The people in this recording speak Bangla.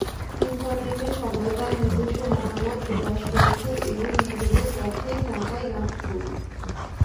ইন্টারনেটে সবাই সবার নিজস্ব মতামত প্রকাশ করছেন এবং নিজেদের পক্ষেই সাফাই গাচ্ছেন।